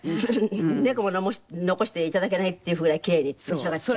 猫も残していただけないっていうぐらいキレイに召し上がっちゃう？